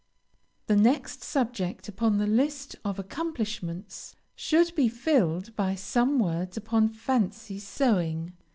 The next subject upon the list of accomplishments, should be filled by some words upon fancy sewing.